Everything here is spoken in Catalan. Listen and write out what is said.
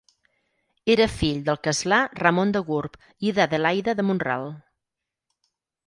Era fill del castlà Ramon de Gurb i d'Adelaida de Mont-ral.